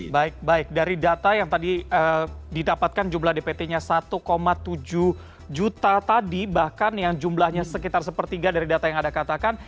baik baik dari data yang tadi didapatkan jumlah dpt nya satu tujuh juta tadi bahkan yang jumlahnya sekitar sepertiga dari data yang anda katakan